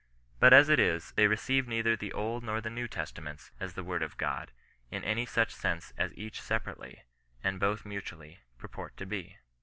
But as it is, they receive neither the Old nor the New Testaments as the Word of Ood, in any such sense as each separately, and both mutually, purport to be.